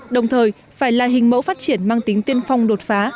đồng thời phải là hình mẫu phát triển mang tính tiên phong đột phá